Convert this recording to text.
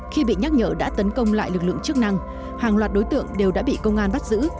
khi bị nhắc nhở đã tấn công lại lực lượng chức năng hàng loạt đối tượng đều đã bị công an bắt giữ